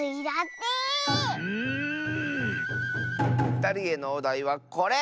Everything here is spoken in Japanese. ふたりへのおだいはこれ！